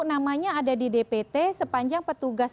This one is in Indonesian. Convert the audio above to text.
namanya ada di dpt sepanjang petugas